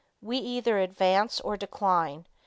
We either advance or decline.